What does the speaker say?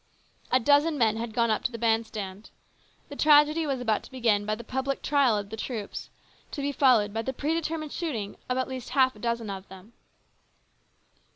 A dozen men had gone up to the band stand. The tragedy was about to begin by the public trial of the troops, to be followed by the predetermined shooting of at least half a dozen of them.